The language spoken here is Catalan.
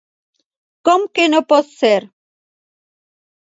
Com que no pot ser?